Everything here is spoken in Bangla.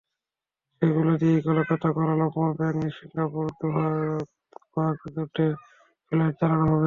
সেগুলো দিয়ে Kolkata, Kuala Lumpur, Bangkok, Singapore, Doha, গুয়াংজুতে ফ্লাইট চালানো হবে।